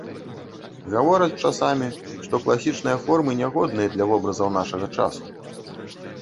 Гавораць часамі, што класічныя формы нягодныя для вобразаў нашага часу.